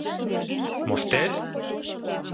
Моштет?